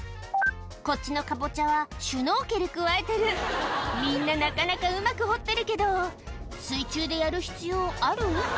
こっちのカボチャはシュノーケルくわえてるみんななかなかうまく彫ってるけど水中でやる必要ある？